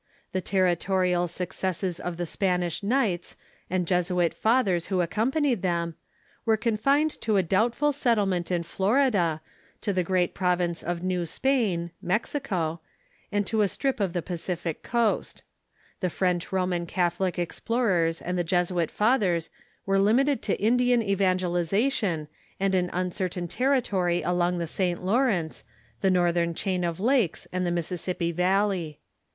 The territorial successes of the Spanish knights, and Jesuit fathers who accompanied them, were The Territorial (^^,3,jf]„(.t| ^q ^ doubtful settlement in Florida, to Allotment ___' the great province of New Spain (Mexico), and to a strip of the Pacific coast. The French Roman Catholic ex plorers and the Jesuit fathers were limited to Indian evan gelization and an uncertain territory along the St. Lawrence, the northern chain of lakes, and the Mississippi valley.